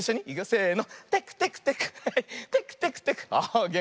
せの。